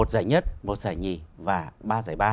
một giải nhất một giải nhị và một giải nhất